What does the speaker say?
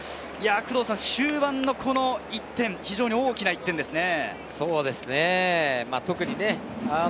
終盤の１点、非常に大きな１点ですね。